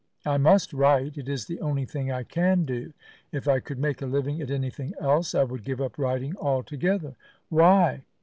I must write; it is the only thing I can do. If I could make a living at anything else I would give up writing altogether." "Why?"